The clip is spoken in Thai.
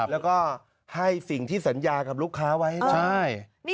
แล้วก็ให้สิ่งที่สัญญากับลูกค้าไว้นะใช่